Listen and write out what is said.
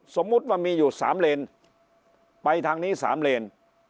สมมุติว่ามีอยู่๓เลนไปทางนี้๓เลน